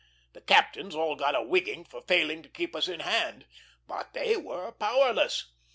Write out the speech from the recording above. The captains all got a wigging for failing to keep us in hand; but they were powerless.